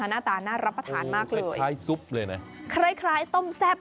หน้าตาน่ารับประทานมากเลยคล้ายซุปเลยนะคล้ายคล้ายต้มแซ่บ